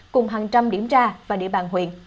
cùng hàng trăm điểm tra và địa bàn huyện